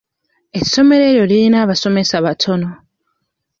Essomero eryo liyina abasomesa batono.